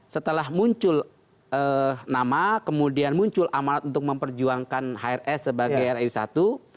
setelah muncul nama kemudian muncul amarat untuk memperjuangkan hrs sebagai riu satu